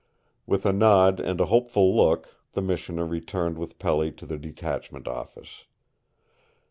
With a nod and a hopeful look the missioner returned with Pelly to the detachment office.